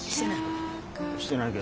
してない？